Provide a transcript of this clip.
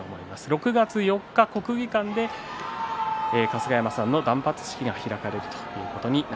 ６月４日、国技館で春日山さんの断髪式が行われます。